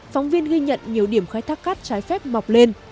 phóng viên ghi nhận nhiều điểm khai thác cát trái phép mọc lên